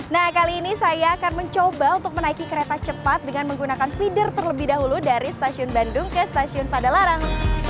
nah kali ini saya akan mencoba untuk menaiki kereta cepat dengan menggunakan feeder terlebih dahulu dari stasiun bandung ke stasiun padalarang